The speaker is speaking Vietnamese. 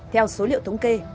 theo số liệu thống kê